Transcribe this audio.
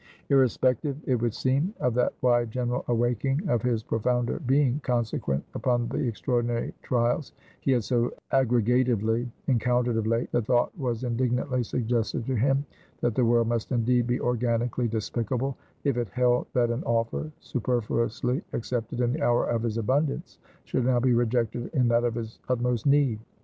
Irrespective, it would seem, of that wide general awaking of his profounder being, consequent upon the extraordinary trials he had so aggregatively encountered of late; the thought was indignantly suggested to him, that the world must indeed be organically despicable, if it held that an offer, superfluously accepted in the hour of his abundance, should now, be rejected in that of his utmost need.